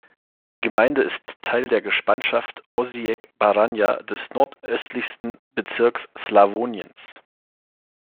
Die Gemeinde ist Teil der Gespanschaft Osijek-Baranja, des nordöstlichsten Bezirks Slawoniens.